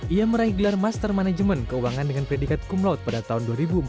ia meraih gelar master manajemen keuangan dengan predikat kumlot pada tahun dua ribu empat belas